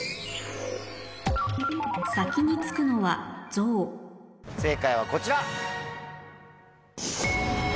先に着くのは正解はこちら。